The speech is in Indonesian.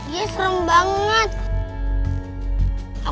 ya sangat seram